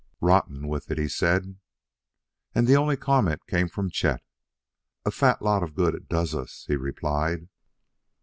"Rotten with it," he said. And the only comment came from Chet: "A fat lot of good it does us!" he replied.